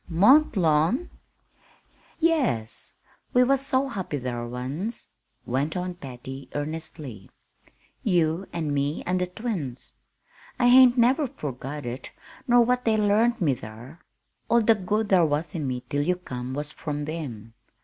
"Mont Lawn?" "Yes. We was so happy thar, once," went on Patty, earnestly. "You an' me an' the twins. I hain't never forgot it, nor what they learnt me thar. All the good thar was in me till you come was from them.